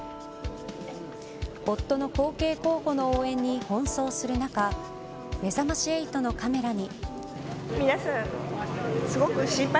夫の後継候補の応援に奔走する中めざまし８のカメラに。